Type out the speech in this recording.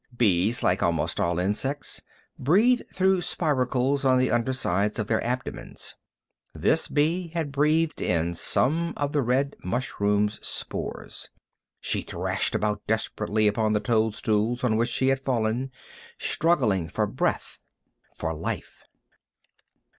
Bees, like almost all insects, breathe through spiracles on the undersurfaces of their abdomens. This bee had breathed in some of the red mushroom's spores. She thrashed about desperately upon the toadstools on which she had fallen, struggling for breath, for life.